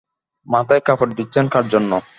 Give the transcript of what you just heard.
মাথায় কাপড় দিচ্ছেন কার জন্য?